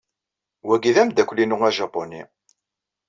Wagi d-amdakkel-inu ajapuni.